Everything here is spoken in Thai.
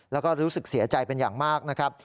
แล้วก็รู้สึกเสียใจเป็นอย่างมากนะครับ